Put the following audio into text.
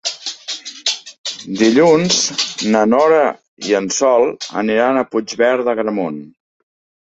Dilluns na Nora i en Sol aniran a Puigverd d'Agramunt.